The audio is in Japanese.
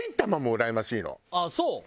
ああそう？